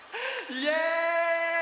イエーイ！